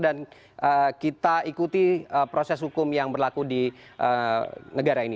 dan kita ikuti proses hukum yang berlaku di negara ini